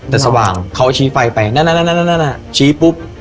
แต่สว่างเขาชี้ไฟไปนั่นชี้ปุ๊บ